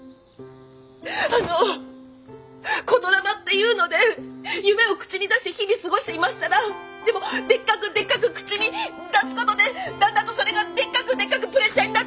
あの言霊っていうので夢を口に出して日々過ごしていましたらでもでっかくでっかく口に出すことでだんだんとそれがでっかくでっかくプレッシャーになっていってて！